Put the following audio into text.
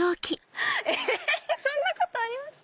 そんなことあります？